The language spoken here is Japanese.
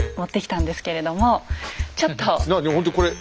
ほんとこれ。